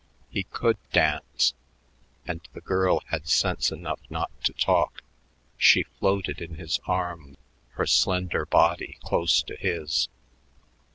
He could dance, and the girl had sense enough not to talk. She floated in his arm, her slender body close to his.